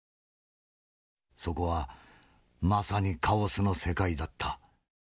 そこはまさにカオスの世界だった。